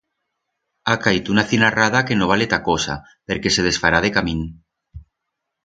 Ha caito una cinarrada que no vale ta cosa perque se desfará decamín.